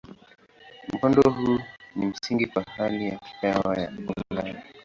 Mkondo huu ni msingi kwa hali ya hewa ya Ulaya.